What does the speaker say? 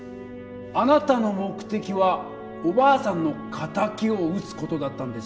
あなたの目的はおばあさんの敵を討つ事だったんですよね？